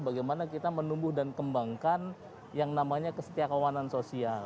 bagaimana kita menumbuh dan kembangkan yang namanya kesetiakawanan sosial